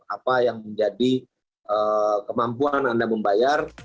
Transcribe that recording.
apa yang menjadi kemampuan anda membayar